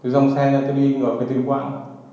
rông xe ra tôi đi ngược cái thuyền quán